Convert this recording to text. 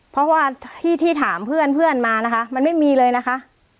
เพราะว่าที่ถามเพื่อนมานะคะมันไม่มีเลยนะคะ